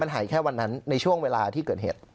หายแค่วันนั้นในช่วงเวลาที่เกิดเหตุ